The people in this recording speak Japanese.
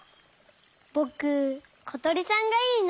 ぼくことりさんがいいな。